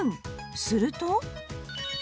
すると